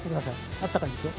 あったかいですよ。